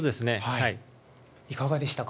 いかがでしたか？